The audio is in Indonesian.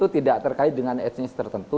tidak terkait dengan etnis tertentu